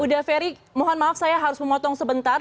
buda ferry mohon maaf saya harus memotong sebentar